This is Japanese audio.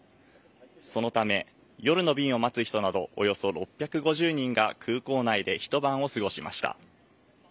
そのため、夜の便を待つ人など、およそ６５０人が空港内で一晩を過ごしました。